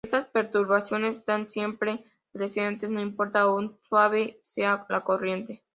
Estas perturbaciones están siempre presentes, no importa cuán suave sea la corriente.